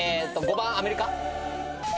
５番アメリカ？